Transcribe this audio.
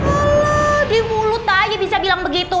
alah di mulut aja bisa bilang begitu